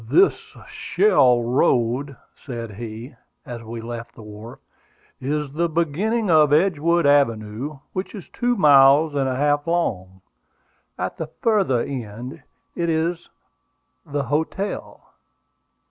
"This shell road," said he, as we left the wharf, "is the beginning of Edgewood Avenue, which is two miles and a half long. At the farther end of it is the hotel."